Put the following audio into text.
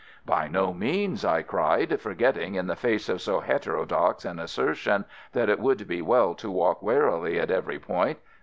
"By no means," I cried, forgetting in the face of so heterodox an assertion that it would be well to walk warily at every point.